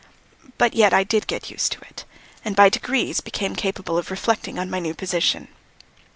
But yet I did get used to it, and by degrees became capable of reflecting on my new position.